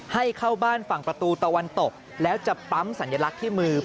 ให้เข้าบ้านฝั่งประตูตะวันตกแล้วจะปั๊มสัญลักษณ์ที่มือ